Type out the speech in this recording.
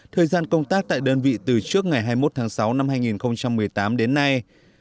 thời gian công tác tại đơn vị từ trước ngày hai mươi một tháng sáu năm hai nghìn một mươi tám đến nay